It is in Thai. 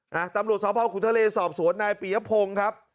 นะตำรวจสภขุนทะเลสอบสวนนายปียพงศ์ครับ